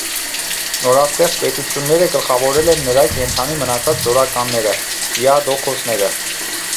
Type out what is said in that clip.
Նորաստեղծ պետությունները գլխավորել են նրա կենդանի մնացած զորականները՝ դիադոքոսները։